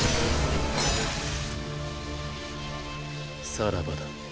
さらばだ。